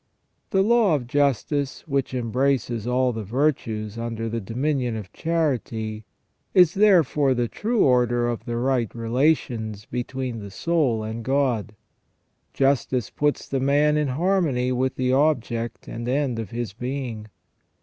* The law of justice, which embraces all the virtues under the dominion of charity, is therefore the true order of the right relations between the soul and God. Justice puts the man in harmony with the object and end of his being.